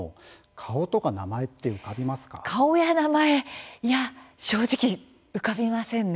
顔と名前正直浮かびませんね。